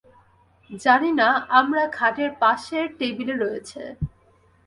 জানি না, আমরা খাটের পাশের টেবিলে রয়েছে।